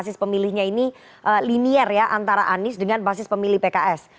basis konstituannya basis pemilihnya ini linier ya antara anies dengan basis pemilih pks